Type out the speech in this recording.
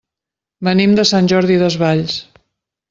Venim de Sant Jordi Desvalls.